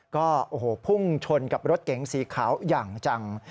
ก็โอ้โหพุ่งชนกับรถเก๋งสีขาวอย่างจัง